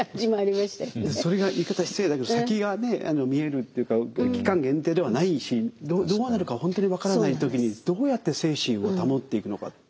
それが言い方失礼だけど先がね見えるっていうか期間限定ではないしどうなるか本当に分からない時にどうやって精神を保っていくのか。